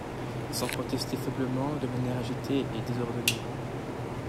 Il semble protester faiblement, de manière agitée et désordonnée.